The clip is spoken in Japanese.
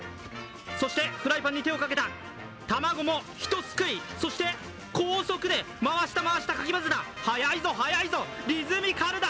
そしてフライパンに手をかけた卵もひとすくい、そして高速で回した回したかきまぜた、早いぞ、早いぞ、リズミカルだ。